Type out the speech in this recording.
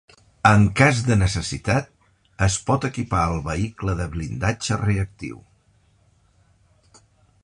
En cas de necessitat, es pot equipar al vehicle de blindatge reactiu.